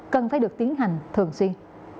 cần phải được tiến hành thường xuyên